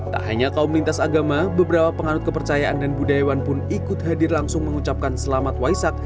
tak hanya kaum lintas agama beberapa penganut kepercayaan dan budayawan pun ikut hadir langsung mengucapkan selamat waisak